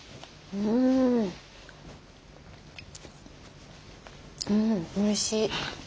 うんおいしい。